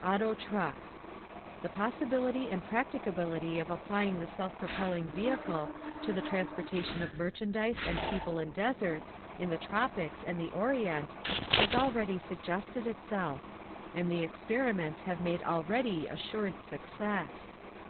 AUTO TRUCKS The possibility and practicability of applying the self propelling vehicle to the transportation of merchandise and people in deserts, in the tropics, and the orient has already suggested itself, and the experiments made have already as sured success.